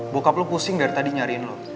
buka lo pusing dari tadi nyariin lo